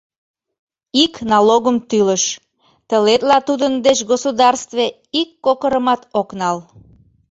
Ик налогым тӱлыш, тылетла тудын деч государстве ик кокырымат ок нал.